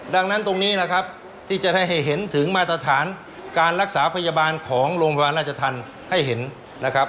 ดังนั้นตรงนี้นะครับที่จะได้ให้เห็นถึงมาตรฐานการรักษาพยาบาลของโรงพยาบาลราชธรรมให้เห็นนะครับ